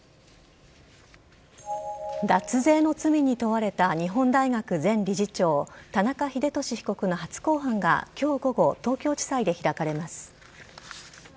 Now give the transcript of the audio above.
脱税の罪に問われた日本大学前理事長、田中英寿被告の初公判が、きょう午後、東京地裁で開かれます。